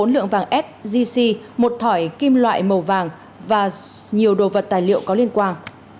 một trăm linh bốn lượng vàng s gc một thỏi kim loại màu vàng và nhiều đồ vật tài liệu có liên quan